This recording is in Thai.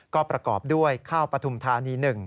ก็ประกอบด้วยข้าวปฐุมธานี๑